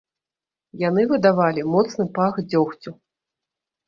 Яны выдавалі моцны пах дзёгцю.